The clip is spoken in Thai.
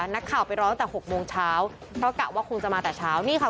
นักข่าวไปรอตั้งแต่๖โมงเช้าเพราะกะว่าคงจะมาแต่เช้านี่ค่ะ